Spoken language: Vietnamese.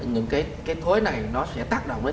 những cái thối này nó sẽ tác động đến